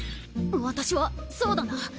私はそうだな。